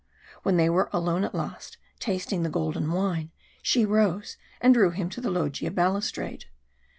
When they were alone at last, tasting the golden wine, she rose and drew him to the loggia balustrade.